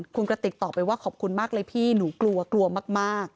คุณกระติกตอบไปว่าขอบคุณมากเลยพี่หนูกลัวกลัวมาก